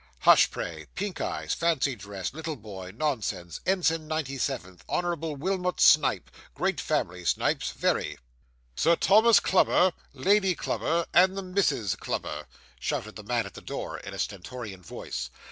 'Hush, pray pink eyes fancy dress little boy nonsense ensign 97th Honourable Wilmot Snipe great family Snipes very.' 'Sir Thomas Clubber, Lady Clubber, and the Misses Clubber!' shouted the man at the door in a stentorian voice.